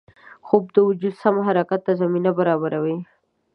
خوب د وجود سم حرکت ته زمینه برابروي